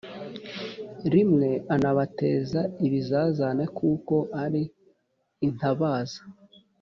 Rimwe anabateza ibizazane kuko ari intabaza.